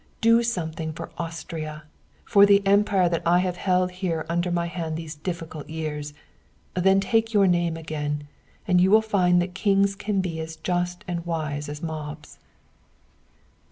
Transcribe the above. Do something for Austria for the Empire that I have held here under my hand these difficult years then take your name again and you will find that kings can be as just and wise as mobs."